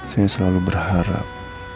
saya selalu berharap